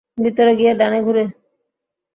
ভিতরে গিয়ে ডানে ঘুরো।